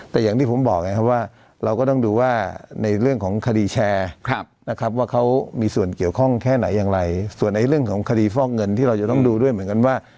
แต่อย่างที่ผมบอกไงครับว่าเราก็ต้องดูว่าในเรื่องของคดีแชร์นะครับว่าเขามีส่วนเกี่ยวข้องแค่ไหนอย่างไรส่วนในเรื่องของคดีฟอกเงินที่เราจะต้องดูด้วยเหมือนกันว่า